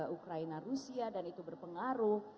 ukraina rusia dan itu berpengaruh